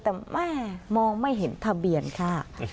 แต่แม่มองไม่เห็นทะเบียนค่ะ